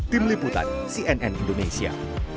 tim liputan cnn indonesia